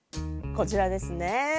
こちらですね。